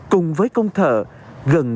cùng với công thợ gần